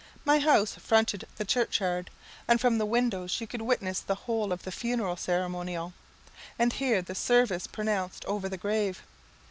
My house fronted the churchyard, and from the windows you could witness the whole of the funeral ceremonial, and hear the service pronounced over the grave.